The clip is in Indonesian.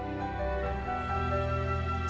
sebelumnya sebuah video yang terlihat di twitter